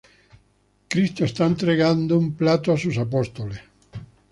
Cristo está entregando un plato a sus apóstoles.